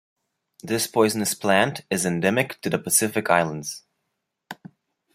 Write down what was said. This poisonous plant is endemic to the Pacific Islands.